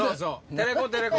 テレコテレコ！